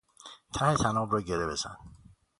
ته طناب را گره بزن.